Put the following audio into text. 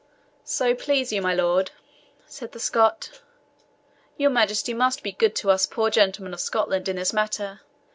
"So please you, my lord," said the Scot, "your majesty must be good to us poor gentlemen of Scotland in this matter.